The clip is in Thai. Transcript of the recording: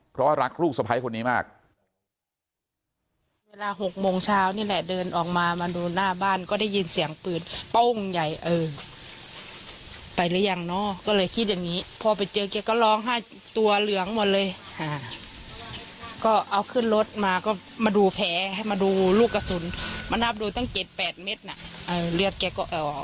เพราะว่ารักลูกสภัยคนนี้มาก